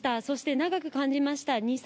そして、長く感じました。